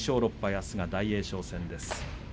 あすは大栄翔戦です。